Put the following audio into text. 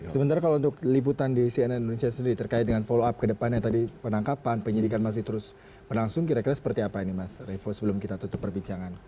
sementara kalau untuk liputan di cnn indonesia sendiri terkait dengan follow up ke depannya tadi penangkapan penyidikan masih terus berlangsung kira kira seperti apa ini mas revo sebelum kita tutup perbincangan